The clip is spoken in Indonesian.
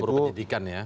dapur penyidikan ya